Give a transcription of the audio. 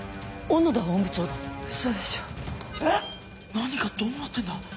何がどうなってんだ。